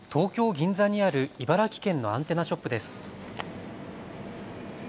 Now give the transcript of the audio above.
銀座にある茨城県のアンテナショップです。